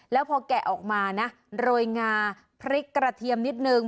แล้วพอแกะออกมานะโรยงาพริกกระเทียมนิดนึง